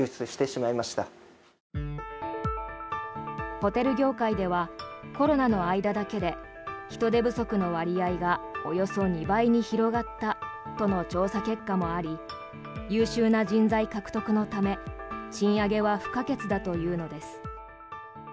ホテル業界ではコロナの間だけで人手不足の割合がおよそ２倍に広がったとの調査結果もあり優秀な人材獲得のため賃上げは不可欠だというのです。